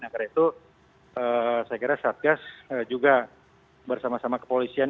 karena itu saya kira satgas juga bersama sama ke polisian